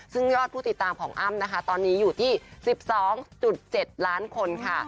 ซึ่งยอดผู้ติดตามของอ้ำนะคะตอนนี้อยู่ที่๑๒๗ล้านคนค่ะ